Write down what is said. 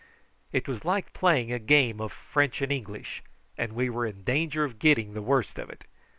It was like playing a game of French and English, and we were in danger of getting the worst of it.